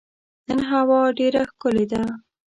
نن هوا ډېره ښکلې ده.